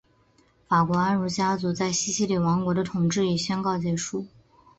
法国安茹家族在西西里王国的统治已宣告结束。